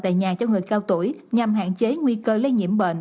tại nhà cho người cao tuổi nhằm hạn chế nguy cơ lây nhiễm bệnh